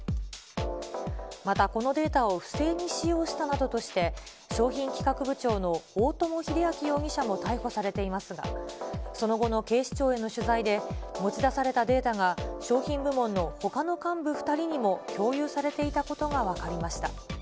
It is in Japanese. また、このデータを不正に使用したなどとして、商品企画部長の大友英昭容疑者も逮捕されていますが、その後の警視庁への取材で、持ち出されたデータが、商品部門のほかの幹部２人にも共有されていたことが分かりました。